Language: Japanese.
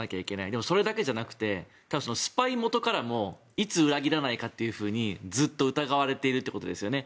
でもそれだけじゃなくてスパイ元からもいつ裏切らないかというふうにずっと疑われているっていういことですよね。